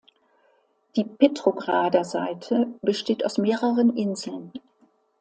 Die Petrograder Seite besteht aus mehreren Inseln.